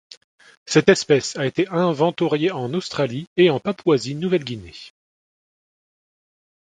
Cette espèce a été inventoriée en Australie et en Papouasie-Nouvelle-Guinée.